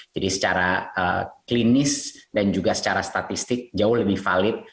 jadi secara klinis dan juga secara statistik jauh lebih valid